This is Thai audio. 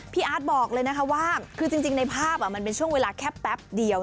พี่อาร์ดบอกเลยว่าจริงในภาพช่วงเวลาแค่แป๊ปเดียว